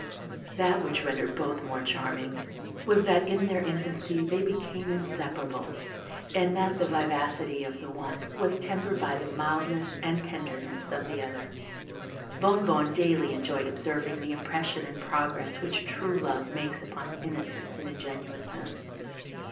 That which rendered both more charming was, that in their infancy they became inseparable, and that the vivacity of the one was tempered by the mildness and tenderness of the other. Bonnebonne daily enjoyed observing the impression and progress which true love makes upon innocence and ingenuousness.